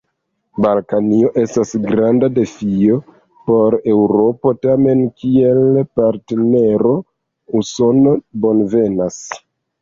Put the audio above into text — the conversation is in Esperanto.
Balkanio estas granda defio por Eŭropo: tamen kiel partnero Usono bonvenas.